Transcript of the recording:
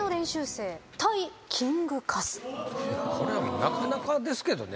これはもうなかなかですけどね。